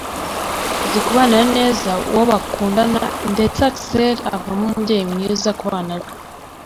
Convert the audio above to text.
uzi kubanira neza uwo bakundana ndetse Axel avamo umubyeyi mwiza ku bana be